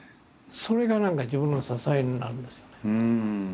それが何か自分の支えになるんですよね。